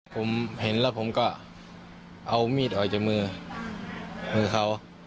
ผมเห็นแล้วผมก็เอามีดออกจากมือมือมือเขา